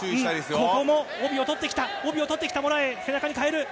ここも帯を取ってきた、帯を取ってきた、モラエイ、背中に変える。